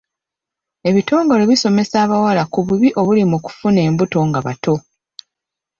Ebitongole bisomesa abawala ku bubi obuli mu kufuna embuto nga bato.